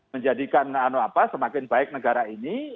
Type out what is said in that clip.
menjadikan semakin baik negara ini